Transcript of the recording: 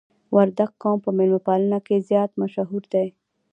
وردګ قوم په میلمه پالنه کې ډیر زیات مشهور دي.